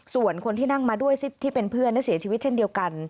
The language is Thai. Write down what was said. ส่วนคนที่นั่งมาด้วยที่เป็นเพื่อนและเสียชีวิตเช่นเดียวกัน